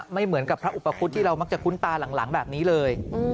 ไม่เหมือนกับพระอุปคุฎที่เรามักจะคุ้นตาหลังแบบนี้เลย